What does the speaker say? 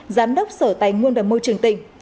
giám đốc sở tài nguyên và môi trường tỉnh